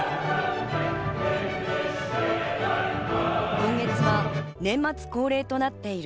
今月は年末恒例となっている